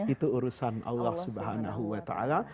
itu urusan allah subhanahu wa ta'ala